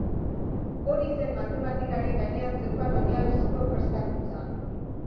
Hori zen matematikaren gainean zeukan oinarrizko prestakuntza.